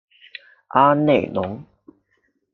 阿内龙。